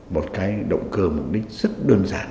một cái động cơ mục đích rất đơn giản